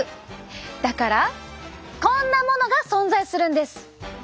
だからこんなものが存在するんです！